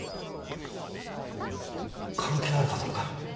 関係あるかどうか。